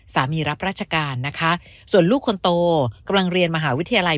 รับราชการนะคะส่วนลูกคนโตกำลังเรียนมหาวิทยาลัย